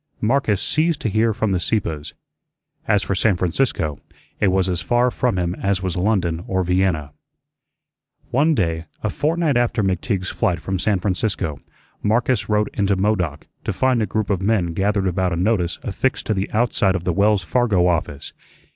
Marcus ceased to hear from the Sieppes. As for San Francisco, it was as far from him as was London or Vienna. One day, a fortnight after McTeague's flight from San Francisco, Marcus rode into Modoc, to find a group of men gathered about a notice affixed to the outside of the Wells Fargo office.